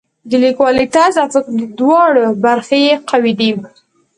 د لیکوالۍ طرز او فکري دواړه برخې یې قوي دي.